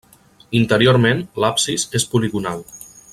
Interiorment l'absis és poligonal.